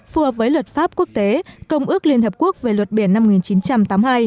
phù hợp với luật pháp quốc tế công ước liên hợp quốc về luật biển năm một nghìn chín trăm tám mươi hai